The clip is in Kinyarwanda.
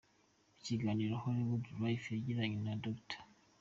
Mu kiganiro HollywoodLife yagiranye na Dr.